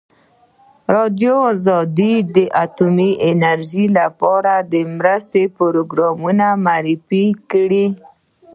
ازادي راډیو د اټومي انرژي لپاره د مرستو پروګرامونه معرفي کړي.